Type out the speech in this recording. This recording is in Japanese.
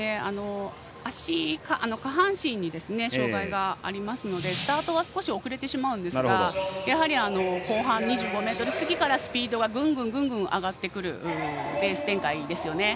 下半身に障がいがあるのでスタートが少し遅れるんですがやはり後半２５ｍ過ぎからスピードがぐんぐん上がってくるレース展開です。